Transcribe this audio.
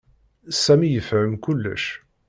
Sami yefhem kullec.